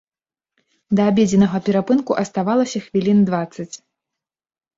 Да абедзеннага перапынку аставалася хвілін дваццаць.